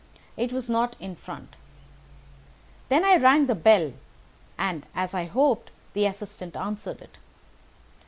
It was not in front. Then I rang the bell, and, as I hoped, the assistant answered it.